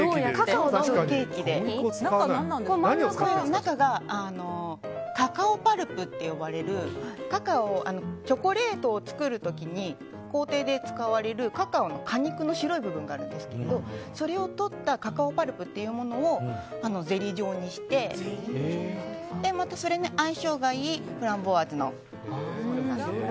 中はカカオパルプと呼ばれるチョコレートを作る工程で使われるカカオの果肉の白い部分があるんですけどそれをとったカカオパルプというものをゼリー状にしてまた、それに相性がいいフランボワーズの。